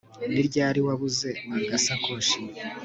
Ni ryari wabuze agasakoshi